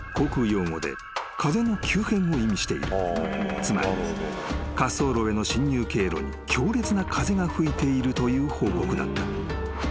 ［つまり滑走路への進入経路に強烈な風が吹いているという報告だった］